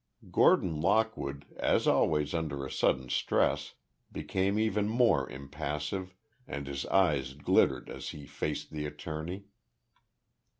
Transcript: Gordon Lockwood, as always under a sudden stress, became even more impassive, and his eyes glittered as he faced the attorney.